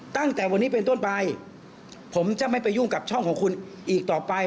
ตั้งแต่วันนี้เป็นต้นไปผมจะไม่ไปยุ่งกับช่องของคุณอีกต่อไป